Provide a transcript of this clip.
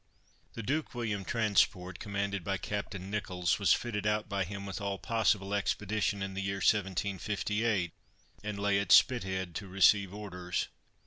The Duke William Transport, commanded by Captain Nicholls, was fitted out by him with all possible expedition in the year 1758, and lay at Spithead to receive orders.